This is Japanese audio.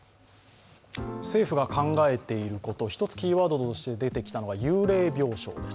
政府が考えていること、１つキーワードとして出てきたのが幽霊病床です。